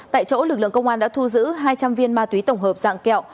tại chỗ lực lượng công an đã thu giữ hai trăm linh viên ma túy tổng hợp dạng kẹo